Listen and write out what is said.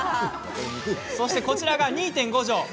そして、こちらが２．５畳。